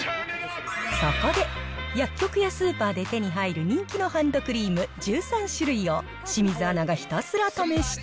そこで、薬局やスーパーで手に入る人気のハンドクリーム１３種類を、清水アナがひたすら試して。